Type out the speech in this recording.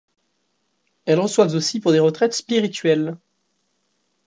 Elles reçoivent aussi pour des retraites spirituelles.